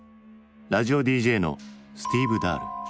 ラジオＤＪのスティーブ・ダール。